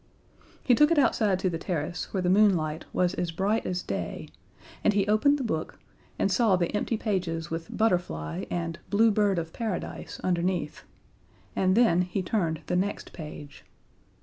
He took it outside to the terrace, where the moonlight was as bright as day, and he opened the book, and saw the empty pages with "Butterfly" and "Blue Bird of Paradise" underneath, and then he turned the next page.